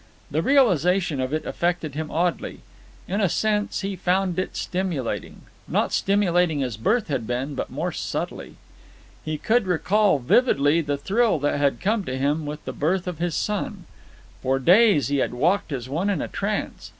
The realization of it affected him oddly. In a sense, he found it stimulating; not stimulating as birth had been, but more subtly. He could recall vividly the thrill that had come to him with the birth of his son. For days he had walked as one in a trance.